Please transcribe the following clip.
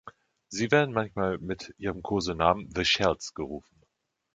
Sie werden manchmal mit ihrem Kosenamen The Shells gerufen.